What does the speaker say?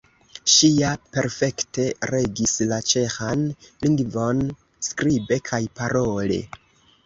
Ŝi ja perfekte regis la ĉeĥan lingvon skribe kaj parole.